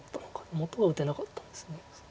元は打てなかったんです。